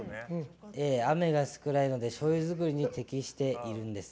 雨が少ないのでしょうゆ造りに適しているんです。